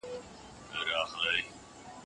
موږ په ورځ کې څو ځله خپل ځان ګروو.